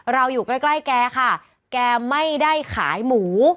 เราอยู่ใกล้แกค่ะแกไม่ได้ขายหมู